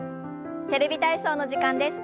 「テレビ体操」の時間です。